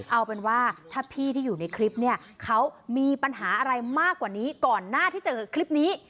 เอาเป็นว่าถ้าพี่ที่อยู่ในคลิปเนี่ยเขามีปัญหาอะไรมากกว่านี้ก่อนหน้าที่เจอคลิปนี้